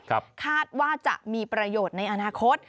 คาดว่าจะมีประโยชน์ในอนาคต